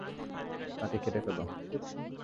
তাকে কেটে ফেলো!